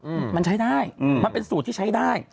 อืมมันใช้ได้อืมมันเป็นสูตรที่ใช้ได้